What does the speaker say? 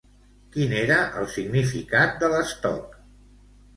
Quin era el significat de l'estoc?